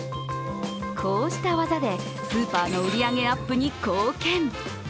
こうした技でスーパーの売り上げアップに貢献。